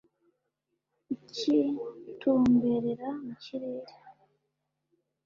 ukitumberera mukirere